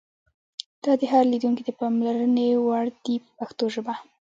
دا د هر لیدونکي د پاملرنې وړ دي په پښتو ژبه.